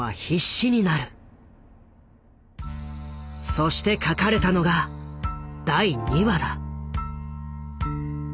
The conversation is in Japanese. そして書かれたのが第２話だ。